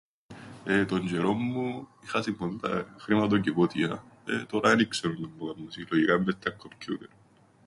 Ε, τον τζ̆αιρόν μου, είχασιν ποτούντα χρηματοκιβώτια, ε, τωρά εν ι-ξέρω ίνταμπου κάμνουσιν, λογικά εν' μες στα κκοππιούτερ.